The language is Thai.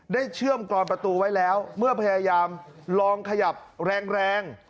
เชื่อมกรอนประตูไว้แล้วเมื่อพยายามลองขยับแรง